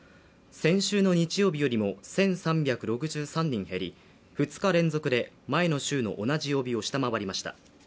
先週の日曜日よりも１３６３人減り、２日連続で前の週の同じ曜日を下回りました。